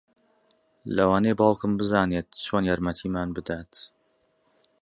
لەوانەیە باوکم بزانێت چۆن یارمەتیمان بدات